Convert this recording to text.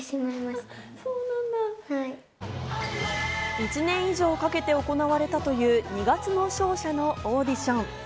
１年以上かけて行われたという『二月の勝者』のオーディション。